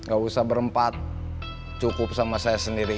gak usah berempat cukup sama saya sendiri